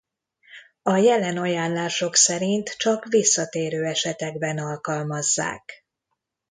A jelen ajánlások szerint csak visszatérő esetekben alkalmazzák.